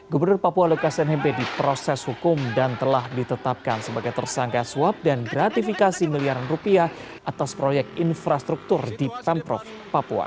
gubernur papua lukas nmb diproses hukum dan telah ditetapkan sebagai tersangka suap dan gratifikasi miliaran rupiah atas proyek infrastruktur di pemprov papua